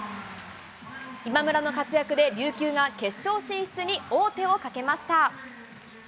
今村の活躍で、琉球が決勝進出に王手をかけました。